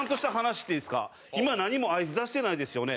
今何も合図出してないですよね？